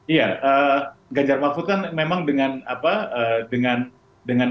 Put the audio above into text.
iya ganjar mahfud kan memang dengan apa dengan